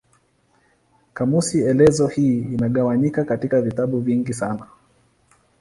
Kamusi elezo hii imegawanyika katika vitabu vingi sana.